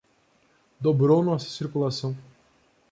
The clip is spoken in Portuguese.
Dobrou nossa circulação.